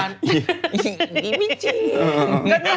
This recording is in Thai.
อี๋อี๋ไม่จริง